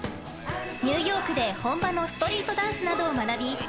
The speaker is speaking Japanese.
ニューヨークで、本場のストリートダンスなどを学び